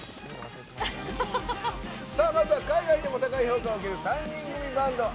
まずは海外でも高い評価を受ける３人組バンド、ＡＬＩ。